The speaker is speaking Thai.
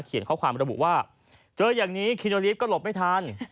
ข้อความระบุว่าเจออย่างนี้คิโนลีฟก็หลบไม่ทัน